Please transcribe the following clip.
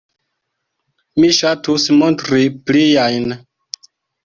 Mi ŝatus montri pliajn.